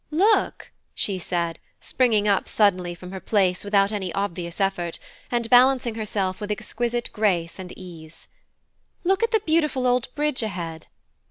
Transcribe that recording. "Look!" she said, springing up suddenly from her place without any obvious effort, and balancing herself with exquisite grace and ease; "look at the beautiful old bridge ahead!"